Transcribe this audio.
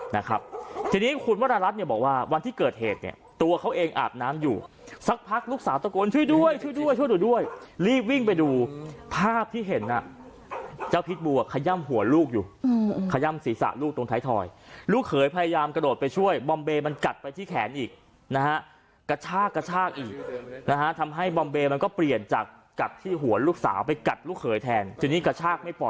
นี่แหละนะครับทีนี้คุณวรรณรัฐเนี่ยบอกว่าวันที่เกิดเหตุเนี่ยตัวเขาเองอาบน้ำอยู่สักพักลูกสาวตะโกนช่วยด้วยช่วยด้วยช่วยด้วยด้วยรีบวิ่งไปดูภาพที่เห็นอ่ะเจ้าพิษบูอ่ะขย่ามหัวลูกอยู่อืมอืมขย่ามศีรษะลูกตรงไทยทอยลูกเขยพยายามกระโดดไปช่วยบอมเบมันกัดไปที่แขนอีกนะฮะกระช